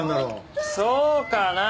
そうかな？